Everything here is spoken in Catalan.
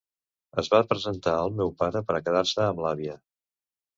Es va presentar al meu pare per a quedar-se amb l’àvia.